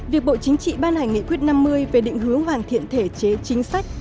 việc bộ chính trị ban hành nghị quyết năm mươi về định hướng hoàn thiện thể chế chính sách